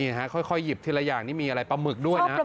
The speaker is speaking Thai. นี่ค่ะค่อยหยิบทีละอย่างนี่มีอะไรปะหมึกด้วยนะ